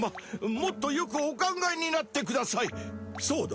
もっとよくお考えになってくださいそうだ